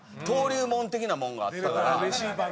登竜門的なもんがあったから。